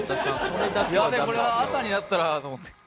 やべえこれは朝になったらと思って。